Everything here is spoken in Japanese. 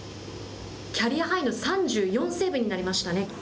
キャリアハイの３４セーブになりましたね。